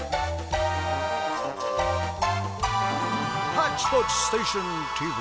「ハッチポッチステーションＴＶ」。